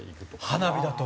花火だと？